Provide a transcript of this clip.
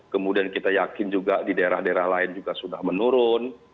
kemudian kita yakin juga di daerah daerah lain juga sudah menurun